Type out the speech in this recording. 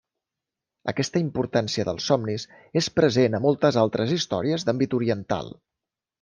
Aquesta importància dels somnis és present a moltes altres històries d'àmbit oriental.